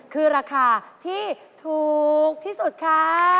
คือราคาที่ถูกที่สุดค่ะ